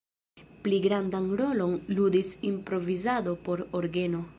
Pli grandan rolon ludis improvizado por orgeno.